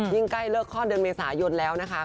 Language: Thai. ใกล้เลิกคลอดเดือนเมษายนแล้วนะคะ